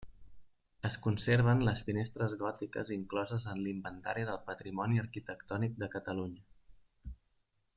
Es conserven les finestres gòtiques incloses en l'Inventari del Patrimoni Arquitectònic de Catalunya.